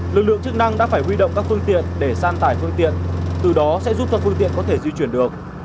lực lượng chức năng đã phải huy động các phương tiện để san tải phương tiện từ đó sẽ giúp cho phương tiện có thể di chuyển được